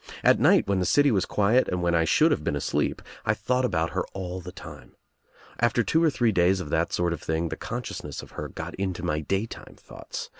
"At night, when the city was quiet and when I should have been asleep, I thought about her all the time. After two or three days of that sort of thing the consciousness of her got into my daytime thoughts.